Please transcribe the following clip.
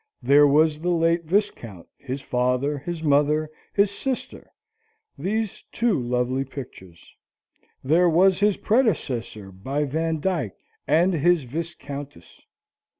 There was the late Viscount, his father, his mother, his sister these two lovely pictures. There was his predecessor by Vandyck, and his Viscountess.